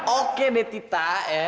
oke deh tita